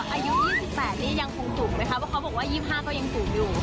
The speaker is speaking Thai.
อายุ๒๘นี่ยังคงสูงนะคะเพราะเขาบอกว่า๒๕ก็ยังสูงอยู่